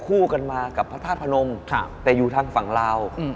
คู่กันมากับพระธาตุพนมแต่อยู่ทางฝั่งลาว